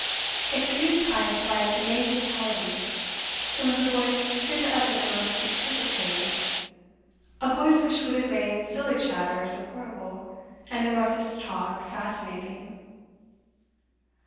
It seduced Heyst by its amazing quality. It was a voice fit to utter the most exquisite things, a voice which would have made silly chatter supportable and the roughest talk fascinating.